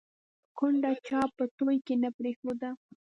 ـ کونډه چا په توى کې نه پرېښوده